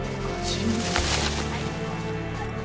はい。